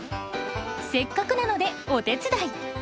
せっかくなのでお手伝い。